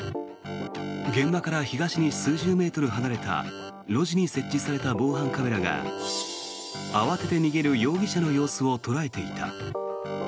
現場から東に数十メートル離れた路地に設置された防犯カメラが慌てて逃げる容疑者の様子を捉えていた。